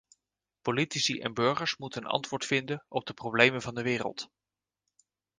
Politici en burgers moeten een antwoord vinden op de problemen van de wereld.